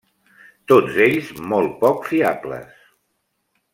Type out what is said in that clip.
Tots ells molt poc fiables.